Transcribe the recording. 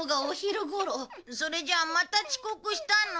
それじゃあまた遅刻したの？